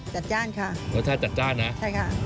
จ้านค่ะรสชาติจัดจ้านนะใช่ค่ะ